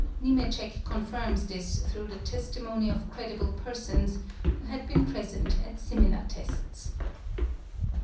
Niemetschek confirms this through the testimony of "credible persons," who had been present at similar tests.